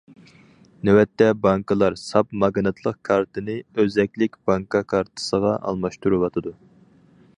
نۆۋەتتە بانكىلار ساپ ماگنىتلىق كارتىنى ئۆزەكلىك بانكا كارتىسىغا ئالماشتۇرۇۋاتىدۇ.